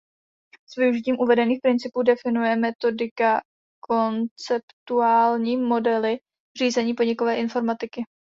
S využitím uvedených principů definuje metodika konceptuální modely řízení podnikové informatiky.